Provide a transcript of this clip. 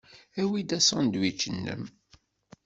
Awi-d asandwič-nnem.